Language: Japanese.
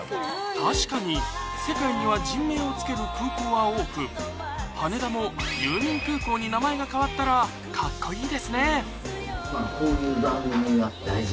確かに世界には人名を付ける空港は多く羽田もユーミン空港に名前が変わったらカッコいいですね